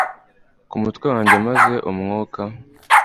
ku mutwe wanjye maze Umwuka